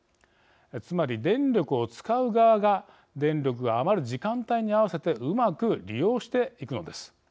つまり電力を使う側が電力が余る時間帯に合わせてうまく利用していくのです。